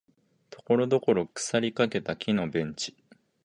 ところどころ腐りかけた木のベンチ